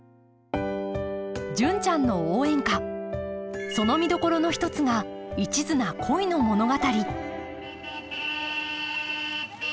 「純ちゃんの応援歌」その見どころの一つが一途な恋の物語